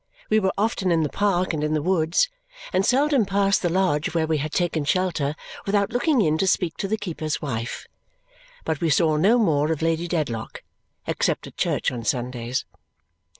We were often in the park and in the woods and seldom passed the lodge where we had taken shelter without looking in to speak to the keeper's wife; but we saw no more of Lady Dedlock, except at church on Sundays.